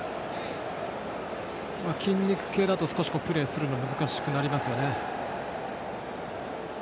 筋肉系だと少しプレーするのが難しくなりますね。